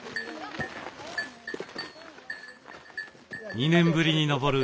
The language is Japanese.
２年ぶりに登る